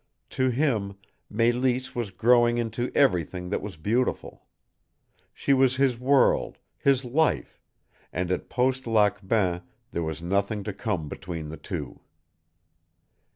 To him, Mélisse was growing into everything that was beautiful. She was his world, his life, and at Post Lac Bain there was nothing to come between the two.